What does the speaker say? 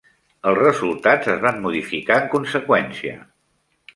Els resultats es van modificar en conseqüència.